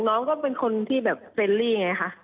น้องก็เป็นคนที่แบบเฟรนลี่ไงคะ